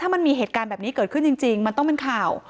มันมีเหตุการณ์แบบนี้เกิดขึ้นจริงมันต้องเป็นข่าว